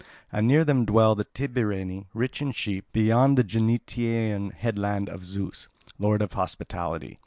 And near them dwell the Tibareni, rich in sheep, beyond the Genetaean headland of Zeus, lord of hospitality.